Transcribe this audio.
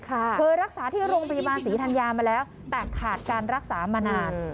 เคยรักษาที่โรงพยาบาลศรีธัญญามาแล้วแต่ขาดการรักษามานาน